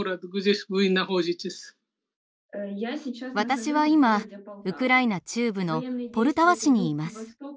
私は今ウクライナ中部のポルタワ市にいます。